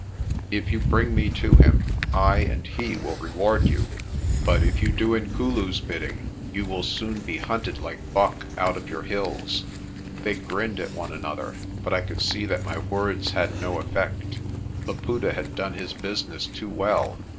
If you bring me to him, I and he will reward you 5 but if you do Inkulu's bidding you will soon be hunted like buck out of your hills." They grinned at one another, but I could see that my words had no effect. Laputa had done his business too well.